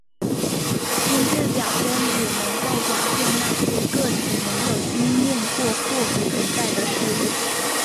心智表征也能够表现那些个体没有经验过或不存在的事物。